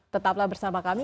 tetaplah bersama kami